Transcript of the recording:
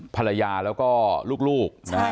ภรรยาแล้วก็ลูก